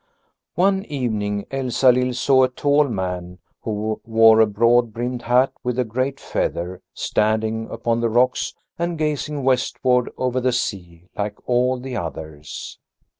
One evening Elsalill saw a tall man, who wore a broad brimmed hat with a great feather, standing upon the rocks and gazing westward over the sea like all the others.